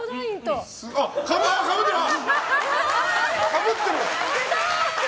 かぶってる！